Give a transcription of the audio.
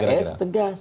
kalau pks tegas